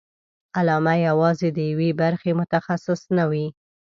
علامه یوازې د یوې برخې متخصص نه وي.